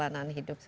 karena yang space